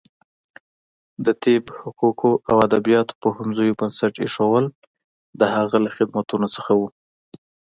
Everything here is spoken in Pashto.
د طب، حقوقو او ادبیاتو پوهنځیو بنسټ ایښودل د هغه له خدمتونو څخه و.